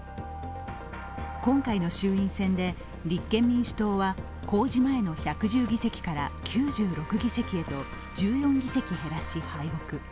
今回の衆院選で立憲民主党は公示前の１１０議席から９６議席へと１４議席減らし、敗北。